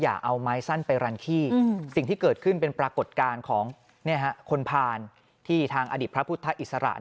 อย่าเอาไม้สั้นไปรันขี้สิ่งที่เกิดขึ้นเป็นปรากฏการณ์ของคนผ่านที่ทางอดีตพระพุทธอิสระ